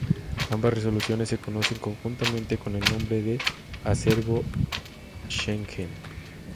Ambas resoluciones se conocen conjuntamente con el nombre de Acervo Schengen.